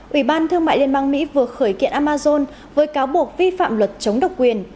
ủy ban thương mại liên bang mỹ vừa khởi kiện amazon với cáo buộc vi phạm luật chống độc quyền